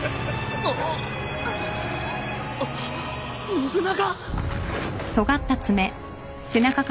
信長！？